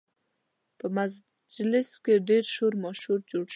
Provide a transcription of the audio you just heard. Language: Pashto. په مجلس کې ډېر شور ماشور جوړ شو